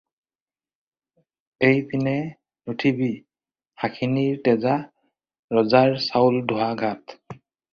এইপিনে নুঠিবি শাখিনী তেজা, ৰজাৰ চাউল ধোৱা ঘাট।